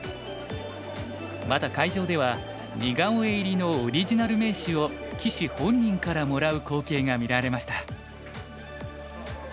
また会場では似顔絵入りのオリジナル名刺を棋士本人からもらう光景が見られました。